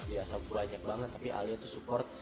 biasa banyak banget tapi alia tuh support